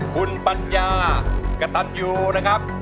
คุณปัญญากระตันยูนะครับ